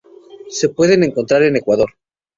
Se pueden encontrar en Ecuador.